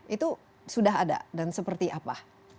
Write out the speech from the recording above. itu sudah ada dan seperti apa